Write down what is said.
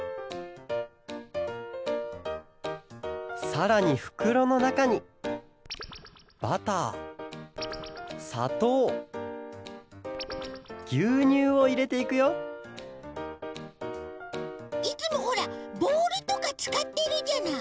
さらにふくろのなかにバターさとうぎゅうにゅうをいれていくよいつもほらボウルとかつかってるじゃない。